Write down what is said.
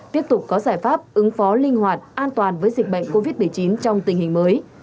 tiếp tục có giải pháp ứng phó linh hoạt an toàn với dịch bệnh covid một mươi chín trong tình hình mới